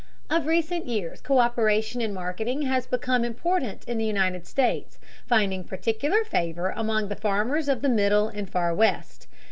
Of recent years, co÷peration in marketing has become important in the United States, finding particular favor among the farmers of the Middle and Far West.